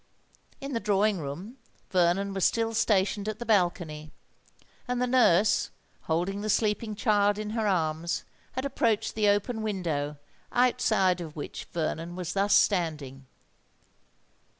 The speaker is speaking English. In the drawing room, Vernon was still stationed at the balcony; and the nurse, holding the sleeping child in her arms, had approached the open window outside of which Vernon was thus standing.